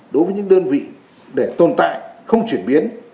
đối với những đơn vị để tồn tại không chuyển biến